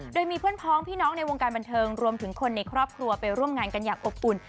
โดยมีเพื่อนพ้องพี่น้องในวงการบันเทิงรวมถึงคนในครอบครัวไปร่วมงานกันอย่างอบอุ่น